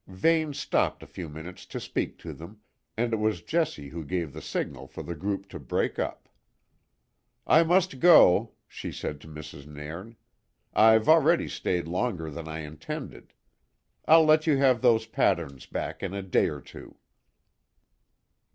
Vane stopped a few minutes to speak to them, and it was Jessie who gave the signal for the group to break up. "I must go," she said to Mrs. Nairn. "I've already stayed longer than I intended. I'll let you have those patterns back in a day or two."